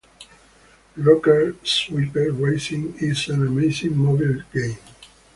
Rocket Swipe Racing is an amazing mobile game!